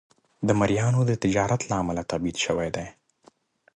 د مریانو د تجارت له امله تبعید شوی دی.